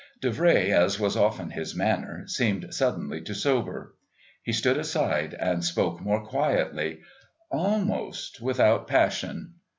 Davray, as was often his manner, seemed suddenly to sober. He stood aside and spoke more quietly, almost without passion.